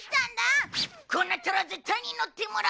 こうなったら絶対にのってもらう！